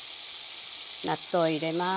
納豆入れます。